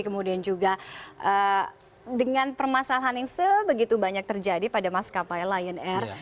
kemudian juga dengan permasalahan yang sebegitu banyak terjadi pada maskapai lion air